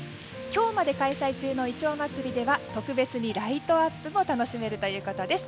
今日まで開催中のイチョウ祭りでは特別にライトアップも楽しめるということです。